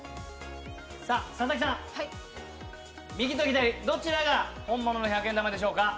佐々木さん、右と左、どちらが本物の百円玉でしょうか。